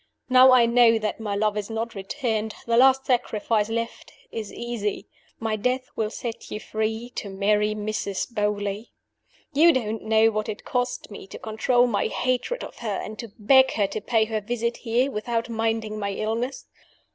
Now I know that my love is not returned, the last sacrifice left is easy. My death will set you free to marry Mrs. Beauly. "You don't know what it cost me to control my hatred of her, and to beg her to pay her visit here, without minding my illness.